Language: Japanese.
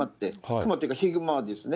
熊というか、ヒグマは。